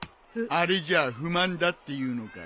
あれじゃ不満だって言うのかい？